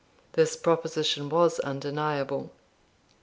This proposition was undeniable.